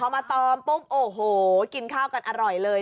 พอมาตอมปุ๊บโอ้โหกินข้าวกันอร่อยเลย